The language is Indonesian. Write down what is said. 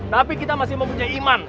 tapi kita masih mempunyai iman